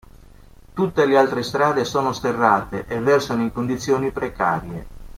Tutte le altre strade sono sterrate e versano in condizioni precarie.